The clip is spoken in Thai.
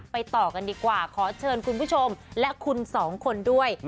ต่อกันดีกว่าขอเชิญคุณผู้ชมและคุณสองคนด้วย